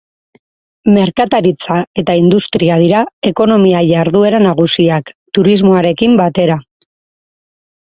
Merkataritza eta industria dira ekonomia jarduera nagusiak, turismoarekin batera.